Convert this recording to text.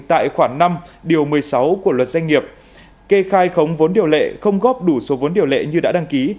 tại khoảng năm điều một mươi sáu của luật doanh nghiệp kê khai khống vốn điều lệ không góp đủ số vốn điều lệ như đã đăng ký